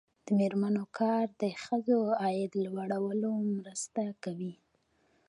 د میرمنو کار د ښځو عاید لوړولو مرسته کوي.